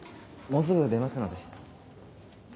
もうすぐ出ますので。